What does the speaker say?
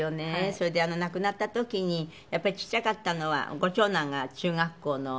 それで亡くなった時にやっぱりちっちゃかったのはご長男が中学校のえーっと。